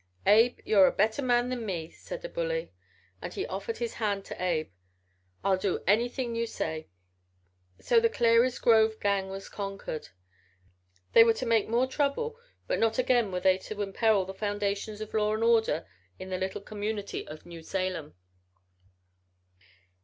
"'Abe, you're a better man than me,' said the bully, as he offered his hand to Abe. 'I'll do anything you say.'" So the Clary's Grove gang was conquered. They were to make more trouble but not again were they to imperil the foundations of law and order in the little community of New Salem.